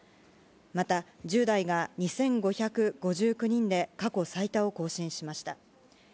また１０代が２５５９人で過去最多を更新しました。